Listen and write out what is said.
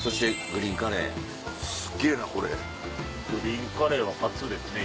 グリーンカレーは初ですね